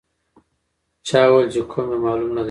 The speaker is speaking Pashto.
چا وویل چې قوم یې معلوم نه دی.